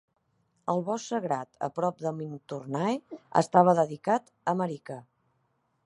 El bosc sagrat a prop de Minturnae estava dedicat a Marica.